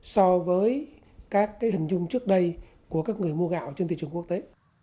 so với các hình dung trước đây của các người mua gạo trên thị trường quốc tế